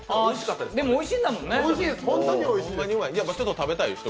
でもおいしいんだもんね。